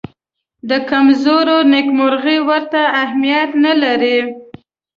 د کمزورو نېکمرغي ورته اهمیت نه لري.